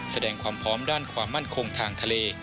แสดงความพร้อมด้านความมั่นคงทางทะเล